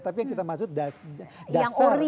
tapi yang kita maksud daftar